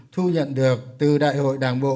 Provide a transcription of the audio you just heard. thu nhận được từ đại hội đảng bộ